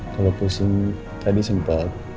kalau pusing tadi sempat